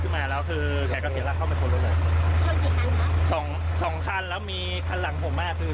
คือแกวนรถตรงนู้นไปแล้วพอไปตรงนั้นเสร็จไปก็มันแม่เลย